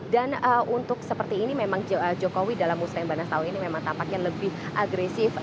dan untuk seperti ini memang jokowi dalam muslim bandas tahun ini memang tampaknya lebih agresif